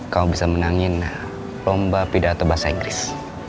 kamu bisa menangin lomba pidato bahasa inggris